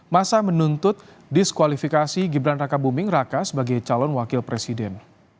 masa menuntut diskualifikasi gibran raka buming raka sebagai calon wakil presiden